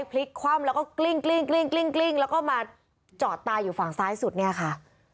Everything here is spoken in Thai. พลิกคว่ำแล้วก็กลิ้งแล้วก็มาจอดตายอยู่ฝั่งซ้ายสุดเนี่ยค่ะ